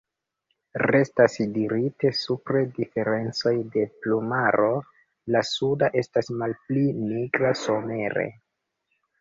Restas dirite supre diferencoj de plumaro: la suda estas malpli nigra somere.